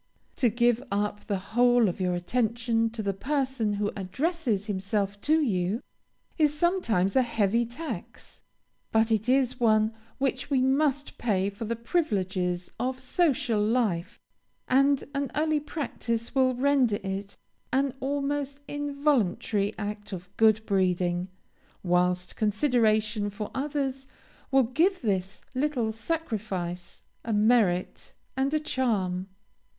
To give up the whole of your attention to the person who addresses himself to you, is sometimes a heavy tax, but it is one which we must pay for the privileges of social life, and an early practice will render it an almost involuntary act of good breeding; whilst consideration for others will give this little sacrifice a merit and a charm.